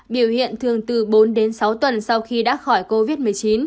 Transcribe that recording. biểu hiện thường từ bốn đến sáu tuần sau khi đã khỏi covid một mươi chín